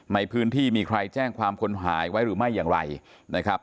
ในพื้นที่มีใครแจ้งความคนหายไว้หรือไม่อย่างไรนะครับ